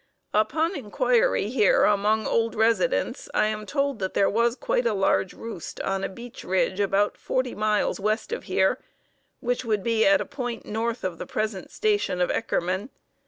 Upon inquiry here among old residents, I am told that there was quite a large roost on a beech ridge about forty miles west of here, which would be at a point north of the present station of Eckerman.